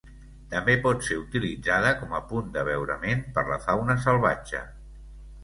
També pot ser utilitzada com a punt d'abeurament per la fauna salvatge.